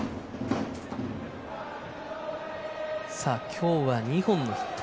今日は２本のヒット。